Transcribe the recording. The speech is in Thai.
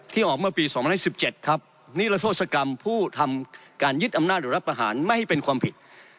ออกเมื่อปี๒๐๑๗ครับนิรโทษกรรมผู้ทำการยึดอำนาจหรือรับประหารไม่ให้เป็นความผิด